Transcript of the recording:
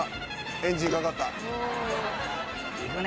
エンジンかかったいくね